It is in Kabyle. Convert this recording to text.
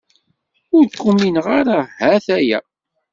Ur k-umineɣ ara, ha-t-aya.